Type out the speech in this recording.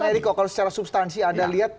bang eriko kalau secara substansi anda lihat